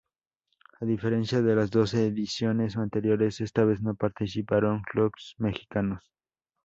A diferencia de las dos ediciones anteriores, esta vez no participaron clubes mexicanos.